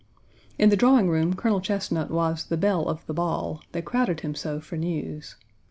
In the drawing room, Colonel Chesnut was the "belle of the ball"; they crowded him so for news.